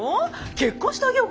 結婚してあげようか？